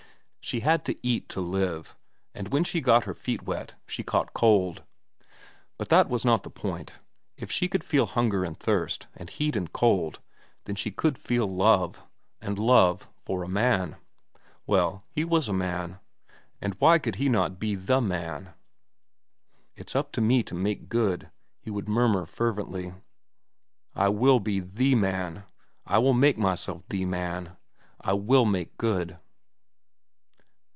She had to eat to live, and when she got her feet wet, she caught cold. But that was not the point. If she could feel hunger and thirst, and heat and cold, then could she feel love—and love for a man. Well, he was a man. And why could he not be the man? "It's up to me to make good," he would murmur fervently. "I will be the man. I will make myself the man. I will make good."